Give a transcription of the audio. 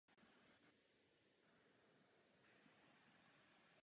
Tahle naše Unie je jedinečná.